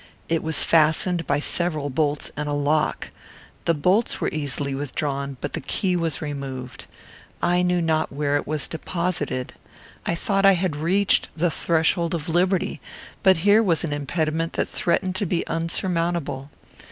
It was fastened by several bolts and a lock. The bolts were easily withdrawn, but the key was removed. I knew not where it was deposited. I thought I had reached the threshold of liberty, but here was an impediment that threatened to be insurmountable.